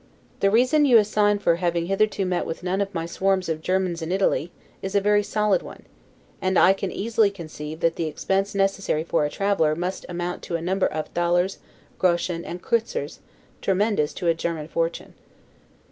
The reason you assign for having hitherto met with none of my swarms of Germans in Italy, is a very solid one; and I can easily conceive, that the expense necessary for a traveler must amount to a number of thalers, groschen, and kreutzers, tremendous to a German fortune.